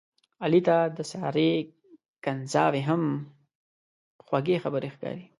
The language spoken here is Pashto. علي ته د سارې کنځاوې هم په خوږې خبرې ښکاري.